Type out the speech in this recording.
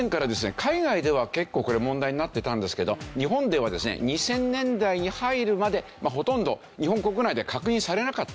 海外では結構これ問題になってたんですけど日本ではですね２０００年代に入るまでほとんど日本国内で確認されなかった。